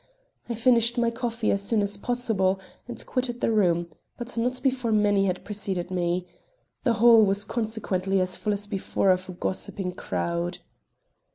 I finished my coffee as soon as possible and quitted the room, but not before many had preceded me. The hall was consequently as full as before of a gossiping crowd.